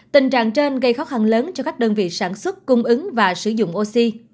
tình trạng trên gây khó khăn lớn cho các đơn vị sản xuất cung ứng và sử dụng oxy